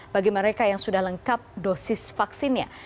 bagi mereka yang sudah lengkap dosis vaksinnya